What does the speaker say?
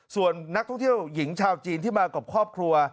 ส่วนนักท่องเที่ยวหญิงชาวจีนที่มากับครอบครัว